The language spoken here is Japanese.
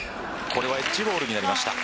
これはエッジボールになりました。